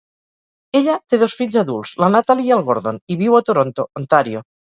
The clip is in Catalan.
Ella té dos fills adults, la Natalie i el Gordon, i viu a Toronto, Ontàrio.